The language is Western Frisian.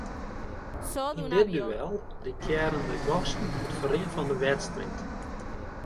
Yn dit duel diktearren de gasten it ferrin fan 'e wedstriid.